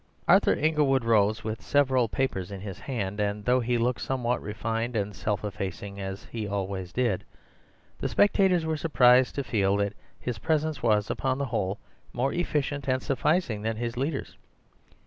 Arthur Inglewood rose with several papers in his hand, and though he looked somewhat refined and self effacing, as he always did, the spectators were surprised to feel that his presence was, upon the whole, more efficient and sufficing than his leader's.